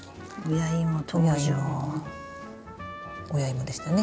親イモでしたね。